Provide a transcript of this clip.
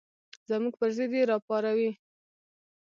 زموږ پر ضد یې راوپاروئ.